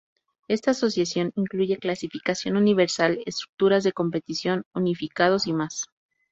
Esta asociación incluye clasificación universal, estructuras de competición unificados y más.